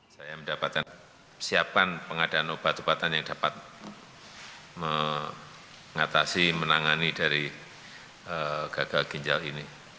saya mendapatkan siapan pengadaan obat obatan yang dapat mengatasi menangani dari gagal ginjal ini